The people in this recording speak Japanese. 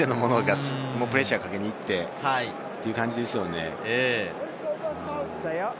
全てにプレッシャーをかけに行ってという感じですね。